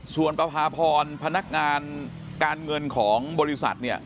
ส่วนประพาพรพนักงานการเงินของบริษัทเนี่ย